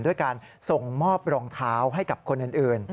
ด้วยการส่งมอบรองเท้าให้กับคนอื่น